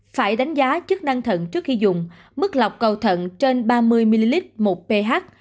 phải đánh giá chức năng thận trước khi dùng mức lọc cầu thận trên ba mươi ml một ph